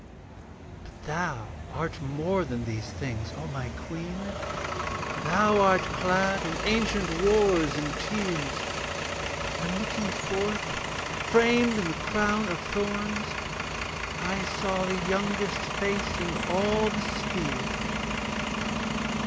But thou art more than these things, O my queen, For thou art clad in ancient wars and tears. And looking forth, framed in the crown of thorns, I saw the youngest face in all the spheres.